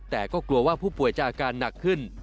แต่ก็กลัวว่าผู้ป่วยจะอาการหนักขึ้น